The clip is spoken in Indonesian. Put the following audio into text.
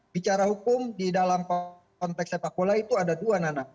bicara hukum di dalam konteks sepak bola itu ada dua nana